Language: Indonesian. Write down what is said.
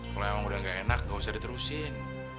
kalau emang udah gak enak gak usah diterusin